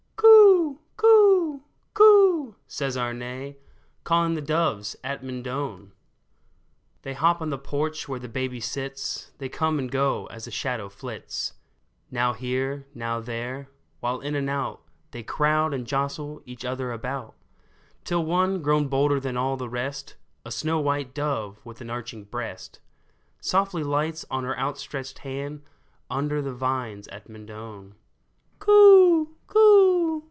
'* Coo ! coo ! coo !" says Arne, Calling the doves at Mendon ! 384 THE DOVES AT MENDON They hop on the porch where the baby sits, They come and go as a shadow flits, Now here, now there, while in and out They crowd and jostle each other about ; Till one, grown bolder than all the rest — A snow white dove with an arching breast Softly lights on her outstretched hand Under the vines at Mendon. *' Coo ! coo